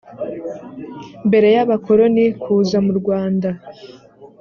mbere y’abakoroni kuza m’urwanda